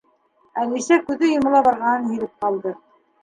Әлисә күҙе йомола барғанын һиҙеп ҡалды.